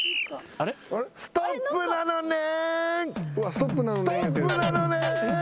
・・ストップなのねん。